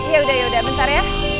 ya udah ya udah bentar ya